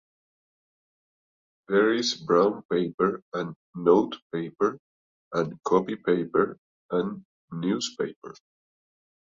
There is brown paper and notepaper and copy-paper and newspaper.